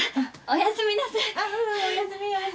おやすみなさい。